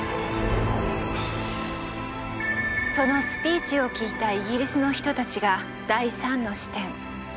そのスピーチを聴いたイギリスの人たちが第３の視点。